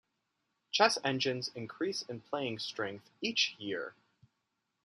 Chess engines increase in playing strength each year.